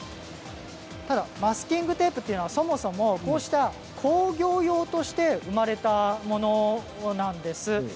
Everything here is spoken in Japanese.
マスキングテープというのはそもそも、こうした工業用として生まれたものなんです。